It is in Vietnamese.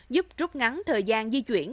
giúp rút ngắn thời gian di chuyển